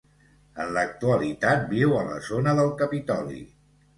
En l'actualitat viu a la zona del Capitoli.